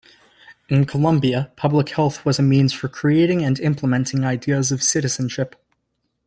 In Colombia, public health was a means for creating and implementing ideas of citizenship.